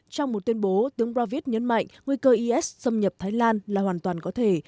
trong một tuyên bố tướng ravis nhấn mạnh nguy cơ is xâm nhập thái lan là hoàn toàn có thể